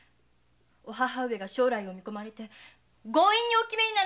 お母上が将来を見込まれて強引にお決めになられたのです。